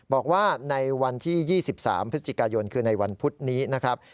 บอกว่าในวันที่๒๓พฤศจิกายนคือในวันพุธนี้นะครับ